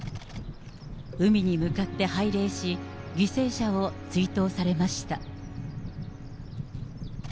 海に向かって拝礼し、犠牲者を追悼されました。